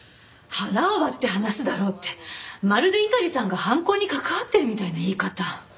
腹を割って話すだろうってまるで猪狩さんが犯行に関わってるみたいな言い方。